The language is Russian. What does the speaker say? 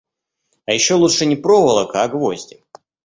А еще лучше не проволока, а гвозди.